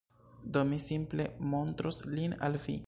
Do, mi simple montros lin al vi